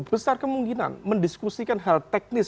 besar kemungkinan mendiskusikan hal teknis